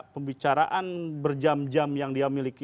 pembicaraan berjam jam yang dia miliki